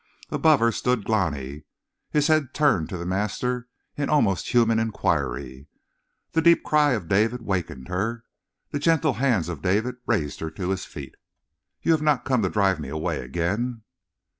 Above her stood Glani, his head turned to the master in almost human inquiry. The deep cry of David wakened her. The gentle hands of David raised her to her feet. "You have not come to drive me away again?"